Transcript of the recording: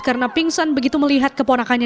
karena pingsan begitu melihat keponakannya